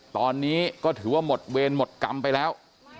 ตอนนี้ก็ถือว่าหมดเวรหมดกรรมไปแล้ว